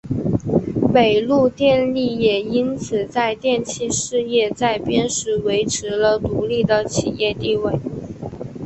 北陆电力也因此在电气事业再编时维持了独立的企业地位。